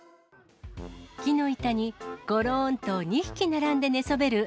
木の板にごろんと２匹並んで寝そべる